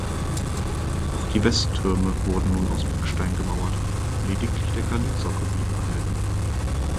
Auch die Westtürme wurden nun aus Backstein gemauert, lediglich der Granitsockel blieb erhalten.